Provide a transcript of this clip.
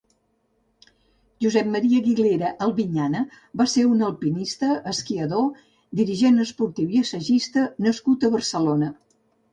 Josep Maria Guilera Albiñana va ser un alpinista, esquiador, dirigent esportiu i assagista nascut a Barcelona.